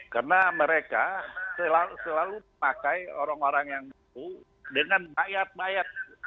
karena mereka selalu pakai orang orang yang dengan bayat bayat